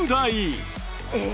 えっ！